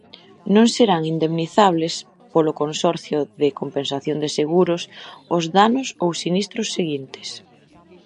Non serán indemnizables polo Consorcio de Compensación de Seguros os danos ou sinistros seguintes: